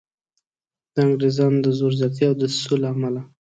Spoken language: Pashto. د انګریزانو د زور زیاتي او دسیسو له امله.